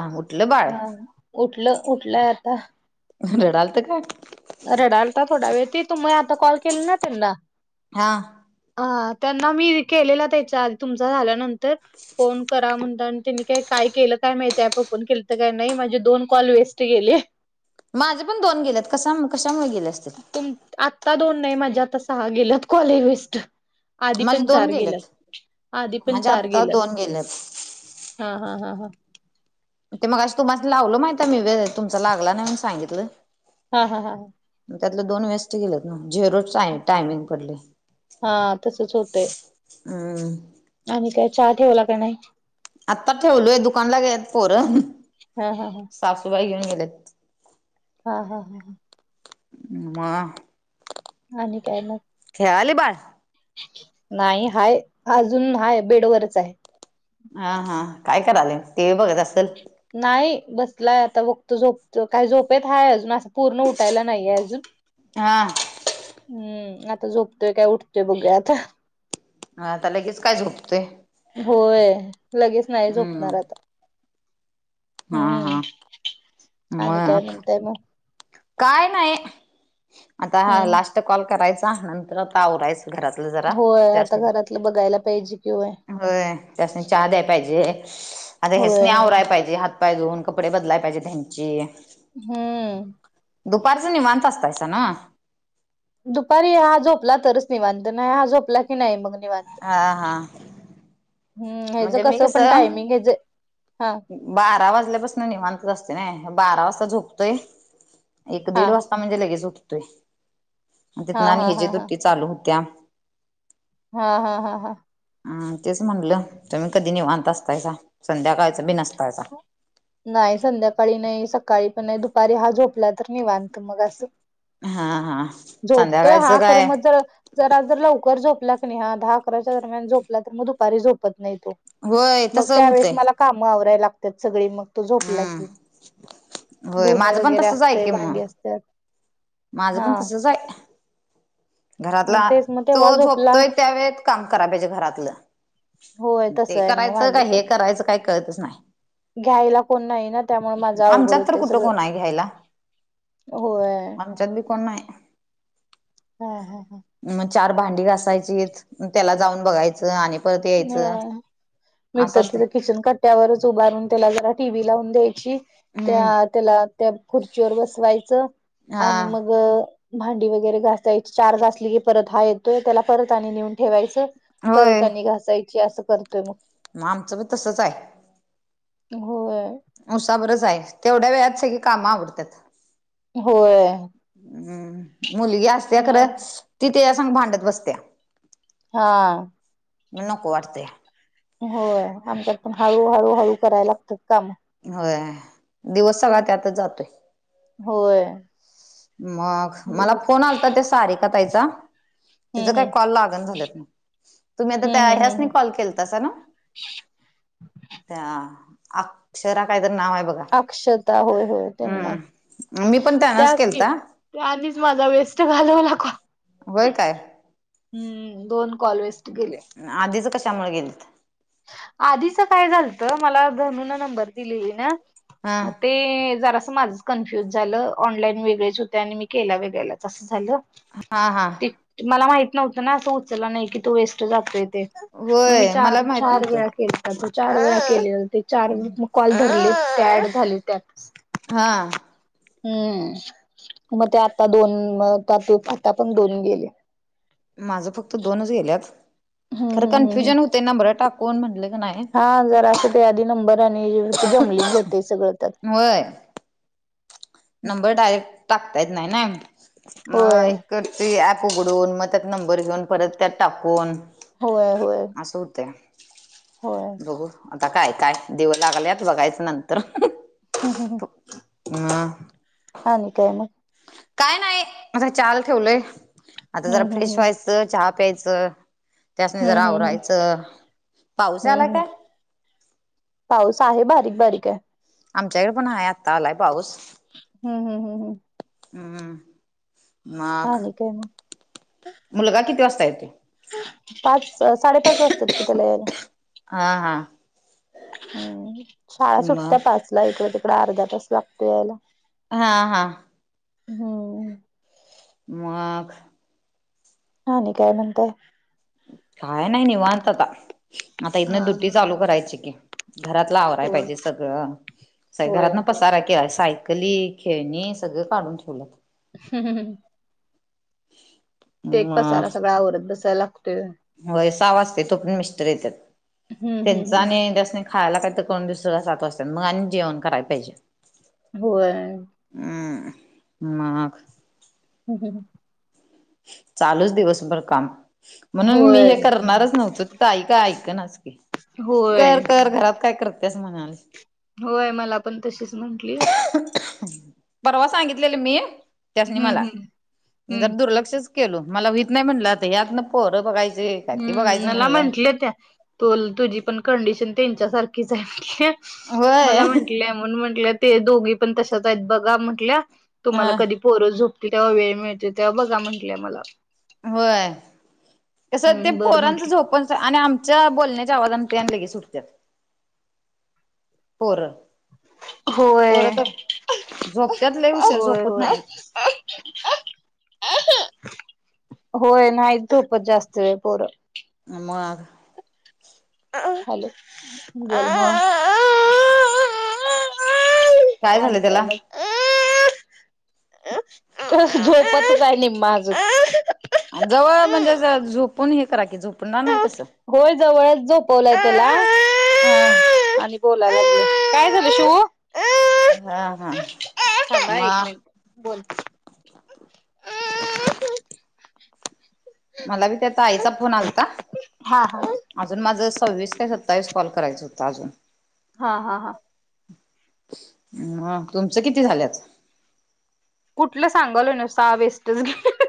हा उठलं बाळ हा उठलं उठलंय आता रडालत का? रडालता थोड्या वेळ ते तुम्हाला आता कॉल केले ना तीनदा हा हा त्यांना मी केलेला त्याच्या आधी तुमचा झाल्यानंतर फोन करा म्हणल आणि त्यांनी काय केलं काय माहितीय ऍप ओपन केलं तर काय नाही माझे दोन कॉल वेस्ट केले.. माझे पण दोन गेलेत कशा कशामुळे गेले असतील.. तुम आत्ता दोन नाही माझ्या आता सहा गेलंत कॉल वेस्ट. आधी माझे पण दोन चार गेलेत गेलत आधी पण. माझे आत्ता दोन गेलेत हा हा हा हा. ते मघाशी तुम्हाला लावल माहित आहे मी व तुमचा लागला नाही सांगितलं.. हा हा हा. त्यातलं दोन वेस्ट गेलेत ना झिरोच टायमिंग पडले.. हा तसच होतय.. हम्म. आणि काय चहा ठेवला का नाही.. आत्ता ठेवलोय दुकानला गेलेत पोर. हा हा हा. साफसफाई काय केलेत.. हा हा हा हा. मा. आणि काय मग. खेळाले बाळ. नाही हाय अजून हाय बेडवरच आहे.. हा हा काय कराले टी व्ही बघत असेल.. नाही बसलाय आता बघतो झोपतो काय झोपेत हाय अजून असं पूर्ण उठायला नाहीये अजून. हा. हम्म आता झोपतोय काय उठतोय बघू आता. हा आता लगेच काय झोपतोय.. होय लगेच नाही हम्म झोपणार आता. हा हम्म हा आणि काय मग म्हणताय मग. काय नाही आता हम्म लास्ट कॉल करायचा नंतर आता आवरायच. घरातलं. जरा होय आता त्यासनी घरातलं बघायला पाहिजे किंवा. होय त्यासनी चहा द्याय पाहिजे आता आणि होय त्यासनी आवराया पाहिजे ह. पाय धुऊन कपडे बदलाय पाहिजे तुमचे. हम्म. दुपारचा निवांत असतायच ना. दुपारी हा झोपला तरच निवांत नाही हा झोपला की नाही मग निवांत. हा हा. हम्म ह्याच म्हणजे मी कस पण कसं टायमिंग हेच आहे हा. बारा वाजल्यापासून नि मानतच असते ना बारा वाजता झोपतोय एक हा दीड वाजता. म्हणजे लगेच उठतोय तिथ हा आणि हा ह हा जी हा दु्टी चालू होत्या. हा हा हा हा. हम तेच म्हणलं तुम्ही कधी निवत असताय का संध्याकाळच बि नसतायचा. नाही संध्याकाळी नाही सकाळी पण नाही दुपारी हा झोपला. तर मी मानत मग असं हा हा झोपतोय हा संध्याकाळचं खर काय मग जर. जरा जर लवकर झोपला क नाही हा दहा अकराच्या दरम्यान झोपला तर मग दुपारी झोपत नाही तो. होय मग तस त्यावेेळेस होतंय मला कामं आवराय लागतात सगळी मग. तो झोपला की हम्म होय धुन माझं पण वगैरे तसच आहे असत की मग भांडी असत. माझं पण कसच आहे. मग घरातला तेच मग तो तेव्हा झोपला झोपतोय त्यावेळेत काम करा पाहिजे घरातलं. होय ते तसं आहे मग करायचं का माझं हे पण करायचं काही कळतच नाही. घ्यायला कोण नाही ना त्यामुळे माझं अवघड आमच्यात तर होते कुठं सगळं कोण आहे होय. आच्यात बी कोण नाही आहे. हा हा हा मग चार भांडी घासायची त्याला जाऊन बघायचं आणि परत ह यायचं मी असं ददी असते तर किचन कट्ट्यावरच उभारून त्याला जरा टीव्ही लावून द्यायची त्या हम्म त्याला त्या खुर्चीवर बसवायचं हा आणि मग भांडी वगैरे घासायची चार घासली की परत हा येतोय त्याला परत आणि नेऊन ठेवायच परत होय त्यांनी घासायची असं करतोय मग मग आमचं पण तसंच आहे हो उसा बरच आहे तेवढ्या वेळात स की काम आवडतात होय हम् मुलगी असत्या खरं ती त्या संग भांडत बसत्या हा न नक वाटते होय आमच्या पण हळूहळू हळू करायला लागतात काम हो दिवस सगळा त्यातच जातोय होय मग मला दिवस फोन आलता ते सारी कतायचा तिचं हम्म काही हम्म कॉल लागण झालेत ना तुम्ही आता हम्म त्या हम्म हम्म ह्यासनी हम्म कॉल केलसा ना त्या अक्षरा कायतर नाव आहे बघ अक्षता होय होय त्यांना हम्म मी पण त्यांनाच त्याच की केलता त्याच माझा वेस्ट घालवला का होय काय हम्म दोन कॉलवेस्ट गेले आधीच कशामुळे गेले आधीच काय झालत मला धनू न नंबर दिले ना हा मग ते जरा समाज कन्फ्युज झालं ऑनलाईन वेगळेच होते आणि मी केला वेगळला तसं झालं हा हा त मला माहित नव्हतं ना असं उचलला नाही की तो वेस्ट जातोय ते मग मी होय चार मला माहित चार नव्हतं वेळा चार वे केले होते चार व कॉल रले होते ऍड झाले त्यात हा हम्म मग ते आता दोन म आता पण दोन गेले माझं फक्त दोनच गेल्यात हम्म खरं हम्म कन्फ्युजन होते ना बरं टाकू म्हटले क नाही ह जरा असं ते आधी नंबर आणि जमलिंग होते सगळं त्या वय नंबर डायरेक्ट टाकता येत नाही ना होय मग क ॲप उघडून मग त्यात नंबर घेऊन परत त्यात टाकून होय होय अस सुते बघू आता काय काय देव लागल्यात बघायचं नंतर हम हं हं हम हा नि काय मग काय नाही आता चाल ठेवलय आता जरा हम्म हम्म फ्रेश व्हाय चहा प्यायचं त्यासने जरा हम्म हम्म हम्म हम्म आवरायच पाऊस आला हम्म हम्म काय पाऊस आहे बारीक बारीक आहे आमच्याकडे पण आहे आत्ता आलाय पाऊस हम्म हम् हम् हम् हम्मम आणि काय मग? मुलगा किती वासता येतोय? पाच साडेपाच वाजतात कि त्याला यायला. हा. हा. हम्. शाळा सुटत्या मग पाचला इकड तिकड अर्धा तास लागतो यायला. हा. हा. हं. मगं. आणि काय म्हणताय? काय नाही निवांत आता. आता हा इथन दुटी हा चालू करायची की. घरातला आवराय होय पाहिजे सगळं. घरात होय न पसारा केला. साय कली खेळणी सगळं काढून ठेवल्यातं. हम ह ह. ते एक पसायला मग सगळा आवरत बसायला लागतोय. होय. सा वाजतयं. तो पर्यत मिस्टर येत्यात हम्म हम्म त्यांचा हम्म आणि त्यासनि खायला काही तर करून देवु स्तोका सात वाजत्यात मग आणि जेवण कराय पाहिजे. होय. हं. मग. ह ह. चालूच दिवसभर काम, म्हणून मी होय हे करणारच नव्हतो. ताई काय ऐकनाच की. होय कर कर घरात काय करत्यास म्हणाली. होय. मला पण तशीच म्हटली. परवा सांगितलेलं मी. त्यासनी हम्म मला हम्म जर हम्म दुर्लक्ष केलो. मला व्हित नाही म्हटलं यात न पोरं बघायची. हम्म. मला म्हटलं त्या. [unintelligible] तुझी पण कंडिशन त्यांच्या सारखीच हाय. होय मला म्हट ल्या म्हणुन म्हटल्या ते दोघी पण तशाच हाईत बघा म्हंटल्या तुम्हाला अ कधी पोर झोपते तेव्हा वेळ मिळते तेव्हा बघा म्हंटल्या मला. होय. कस ते हम्म बरं पोरांचं म्हंटलं. झोपचं आणि आम - - च्या बोलण्याच्या आवाजान तेन लगेचं उटत्यात पोर. पोर होय तर झोपत्यात लई उशीर. होय झोपत नाहीत. [inaudible] होय. नाइत झोपत जास्त वेळ पोर. म. हॅलो. मग [unintelligible] आणि झालं काय त्याला मग? [inaudible] झोपतचं हाय निम्म अजुन. जवळ म्हणजे ज झोपून हे करा की झोपणार नाही तसं. होय जवळच झोपवलय तेला. हा. आणि बोलाय लागलय. काय झालं शिवु? [inaudible] हा हा थांबा हं म एक मिनट बोलते. मला बी त्या ताईचा फोन आलता. हा हा अजून माझं सव्वीस काय सत्तावीस कॉल करायचं होतं अजून. हा. हा. हा. मगं तुमचं किती झाल्यात? कुठलं, सांगालोय नव्हं. सहा बेस्टच गे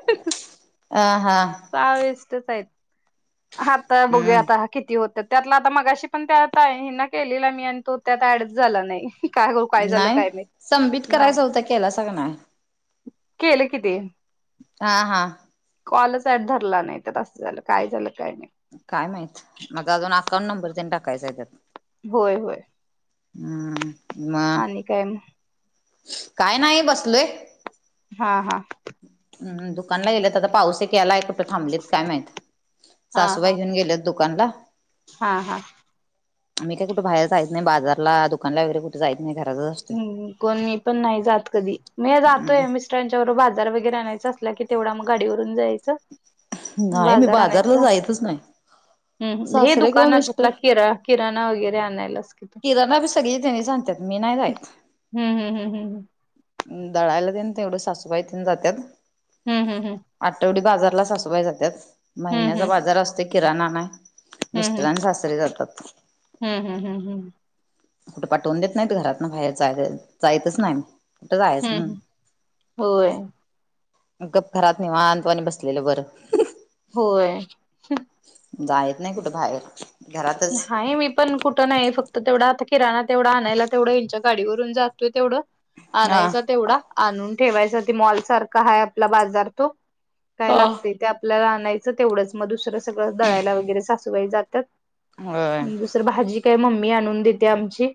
अ हा. सहा वेस्टच हाईत. आता बघूया हम्म आता. किती होतयं त्यातला आता मगाशी पण त्यात ताई हे ना केलेला मी आणि तो त्यात ऍडच झाला नाही. काय करू काय झालं काय नाही संबित नाही करायचा होता केलासा का नाय केलं किती हा हा कॉल साड धरला नाही तर तसं झालं काय झालं काही नाही काय माहित माझा अजून अकाउंट नंबर तनी टाकायचा आहे त्यात होय होय हम्म म आणिां कायम काय नाही बसलोय हा हा म दुकानला गेलेत आता पाऊस याला ऐकुट थांबलीत काय माहत सासूबाई घेऊन गेलेत दुकानला हां हां आम् काही कुठ बाहेर जाच नाही बाजला दुकान वगरे कु जायत नाही घराचं हम्म कोणी पण नाही जात कधी मी जातोय मी च्या बाजार वगैरे आणायच असला की तेवढं मग गाडीवरून जायचं नाही मी बाजारला जायचच नाही हम् हे सासरे किंवा दुकानुठला मिस्टर किरा किराणा वगैरे आणायलास कि तू किराणा बी सगळी त्यांनी सांगतात मी नाही राईत हम् हम हम हम ह्म दडायला तेन तेवढं सासूबाईथ जातात हम् हम् हम आठवडी बाजारला सासवाय जातात हम्म हम्म महिन्याचा बाजार असते किराणा नाही मिस्टर आणि सासरे जातात हा हम हम हम कुठे पाठवून देत नाहीत घरात ना बाहेर जाय जायच नाही उठ कायस हम्म ह हम्म होय गप् घरात नाहीवांतवानी बसलेलं बरं होय जायच नाही कुठे बाहेर घरातच नाहीा मी पण कुठं नाही फक्त तेवढं आता किराणा तेवढा आणायला तेवढं हच्या गाडीवरून जातोय तेवढं हा. आणायच तेवढा आणून ठेवायच ते मॉल सारखा हा आपला बाजार तो काय हा. लागतय ते आपल्याला आणायचं तेवढंच मग दुसरं सगळं दडळायला वगैरे साासवाय जातात होय दुसरं भाजी काय मम्मी आणून देते आमची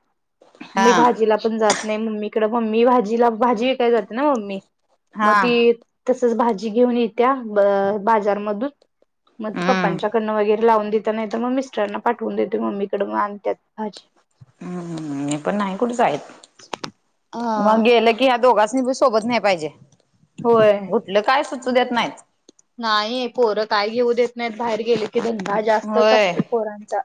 मी हा भाजीला पण जात नाही मम्मी कडे मम्मी भाजीला भाजी विकयला जाते ना मम्मी हा मग ती तसच भाजी घेऊन येत्या बाजारमधून मग त हम्म. पप्पांच्या कडनं वगैरे. लावून दता नाही तर मग मिस्टरांना पाठवून देते मम्मीकडे म आणतत भाजी. हम्म हे पण नाही कुठच आहेत मग हा. गेलं. की ह्या दोघांनी सोबत नाही पाहिजे. होय कुठलं काय सुचू देत नाहीत नाही पोरं काय घेऊ देत नाहीत बाहेर गेली. कि ंधा जास्तच होय असतो पोरांचा.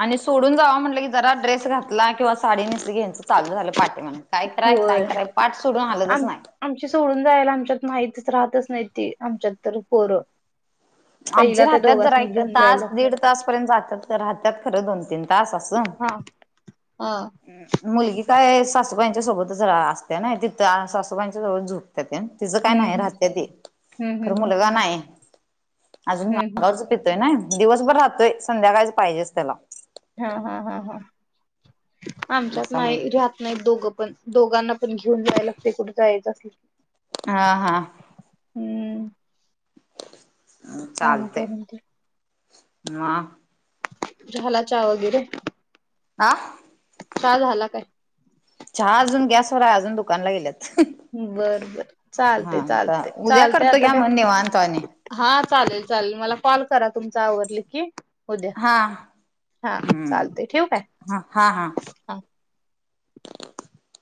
आणि सोडून जाव म्हटलं क जरा ड्रेस घातला किंवा साडी मिसरी घ्यायचं चालू झालं पाटे म्हण काय कराय काय होय. कराय पाठ सोडून आम हलतच नाही. आमची सोडून जायला आमच्यात माहतीच राहतच नाही त आमच्यात तर पोरं. आमच्या पहिला त्या राहत्यात जरा दोघांसनी एक घेऊन तास जायला दीड तास पर्यंत जातात तर राहत्यात खरं दोन तीन तास असं. हा हा. मुलगी काय सासूबाईंच्या सोबतच असते ना तिथं सासूबाईंच्या सोबत झुकत ते. तिचं काय हम्म नाही हम्म. राहते ते हम्म खरं हम्म हम्म मुलगा नाही. अजून हम्म हम्म मागावरच पितोय ना दिवसभर राहतोय संध्याकाळच पाहिजेच त्याला. हा हा हा हा आमच्यात असं नाही मग रहत नाही दोघं. पण दोघांना पण घेऊन जायला लागते कुठ जायचं अस. हा हां. हम्म. आणि काय चालतेय म्हणते म. झाला चा वगैरे. आा. का झाला काय. चहा अजून गॅसवर आहे अजून दुकानला गेल्यात. बर बर चालते हा तर चालते उद्या चालते करतो आता घ्या काय? म्हणणे बांतवाने. हा चालेल चालेल मला कॉल करा तुमचा आवर्ली की. उद्या हा हा हम्म चालते ठीक आहे हा हा हा.